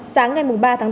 sáng ngày ba tháng tám